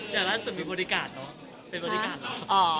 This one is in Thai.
แต่ล่าสุดมีบริการเนอะ